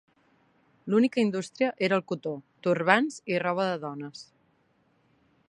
L'única indústria era el cotó, turbants i roba de dones.